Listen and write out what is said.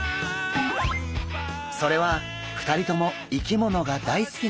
それは２人とも生き物が大好きなこと。